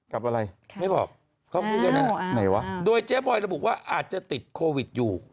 กับอะไรไม่บอกเขากลุ่มกันอ่ะด้วยเจฟบอยละบุว่าอาจจะติดโควิดอยู่